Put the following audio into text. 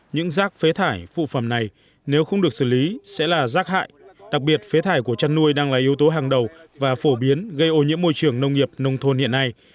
những rác phế thải phụ phẩm này nếu không được xử lý sẽ là rác hại đặc biệt phế thải của chăn nuôi đang là yếu tố hàng đầu và phổ biến gây ô nhiễm môi trường nông nghiệp nông thôn hiện nay